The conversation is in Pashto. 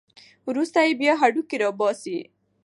وروسته یې بیا هډوکي راوباسي.